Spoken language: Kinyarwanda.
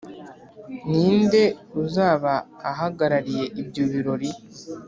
Ni nde uzaba ahagarariye ibyo birori